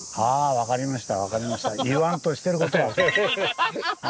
分かりました。